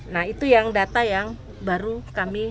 nah itu yang data yang baru kami